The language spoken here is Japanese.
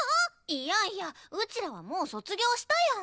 いやいやウチらはもう卒業したやん。